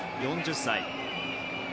４０歳。